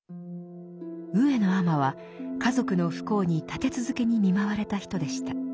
上野尼は家族の不幸に立て続けに見舞われた人でした。